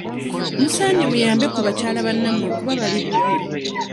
Musaanye muyambe ku bakyala bannamwe kuba bali bubi